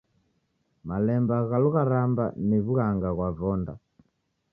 Malemba gha lugharamba ni wughanga ghwa vonda.